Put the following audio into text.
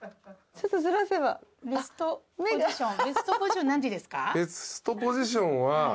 ベストポジションは。